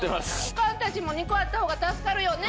おかんたちも２個あった方が助かるよね？